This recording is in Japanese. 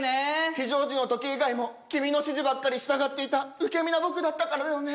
非常時の時以外も君の指示ばっかり従っていた受け身な僕だったからだよね